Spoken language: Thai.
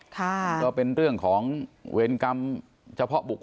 ก็เป็นเรื่องของเวรกรรมเฉพาะบุคค